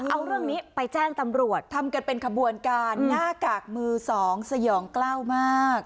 เอาเรื่องนี้ไปแจ้งตำรวจทำกันเป็นขบวนการหน้ากากมือสองสยองกล้าวมาก